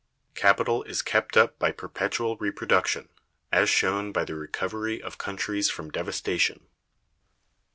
Capital is kept up by Perpetual Reproduction, as shown by the Recovery of Countries from Devastation.